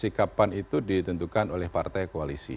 sikapan itu ditentukan oleh partai koalisi